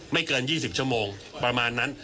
เกิน๒๐ชั่วโมงประมาณนั้น